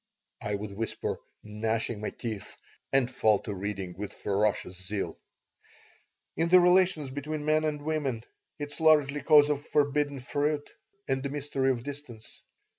I would whisper, gnashing my teeth, and fall to reading with ferocious zeal In the relations between men and women it is largely case of forbidden fruit and the mystery of distance.